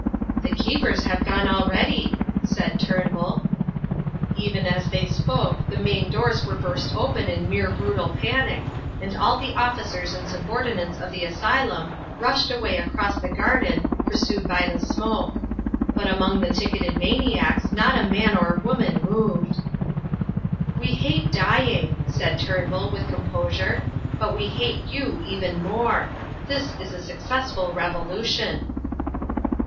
"The keepers have gone already," said Turnbull. Even as they spoke the main doors were burst open in mere brutal panic, and all the officers and subordinates of the asylum rushed away across the garden pursued by the smoke. But among the ticketed maniacs not a man or woman moved. "We hate dying," said Turnbull, with composure, "but we hate you even more. This is a successful revolution."